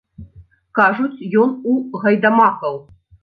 Кажуць, ён у гайдамакаў!